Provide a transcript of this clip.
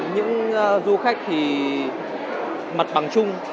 những du khách thì mặt bằng chung